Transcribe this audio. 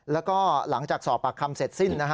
แล้วก็หลังจากสอบปากคำเสร็จสิ้นนะฮะ